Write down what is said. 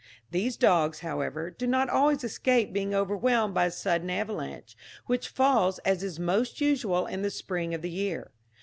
These dogs, however, do not always escape being overwhelmed by a sudden avalanche, which falls, as is most usual, in the spring of the year.